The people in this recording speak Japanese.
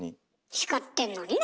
叱ってんのにね。